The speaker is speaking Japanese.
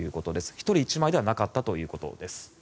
１人１枚ではなかったということです。